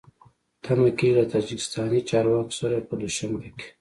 تمه کېږي له تاجکستاني چارواکو سره په دوشنبه کې